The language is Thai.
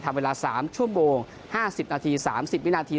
เวลา๓ชั่วโมง๕๐นาที๓๐วินาที